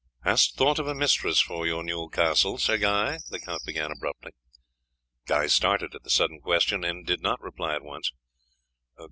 "Hast thought of a mistress for your new castle, Sir Guy?" the count began abruptly. Guy started at the sudden question, and did not reply at once.